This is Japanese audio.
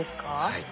はい。